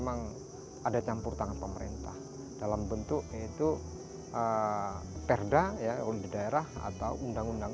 memang harus memang ada campur tangan pemerintah dalam bentuk perda di daerah atau undang undang